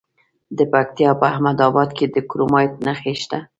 د پکتیا په احمد اباد کې د کرومایټ نښې شته.